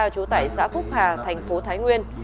trú tại xã phúc hà tp thái nguyên